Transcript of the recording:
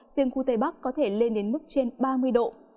riêng khu tây bắc có thể lên đến mức trên ba mươi độ